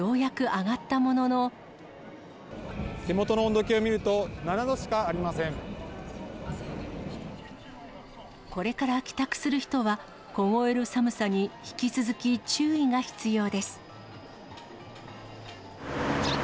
手元の温度計を見ると、これから帰宅する人は、凍える寒さに引き続き注意が必要です。